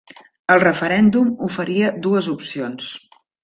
El referèndum oferia dues opcions.